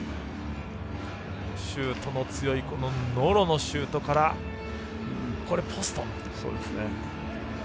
シュートの強いノロのシュートからポスト。